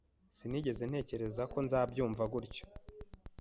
Sinigeze ntekereza ko nzabyumva gutya.